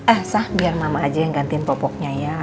eh sah biar mama aja yang gantiin pupuknya ya